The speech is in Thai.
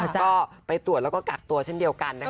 ก็ไปตรวจแล้วก็กักตัวเช่นเดียวกันนะคะ